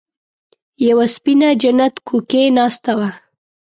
يوه سپينه جنت کوکۍ ناسته وه.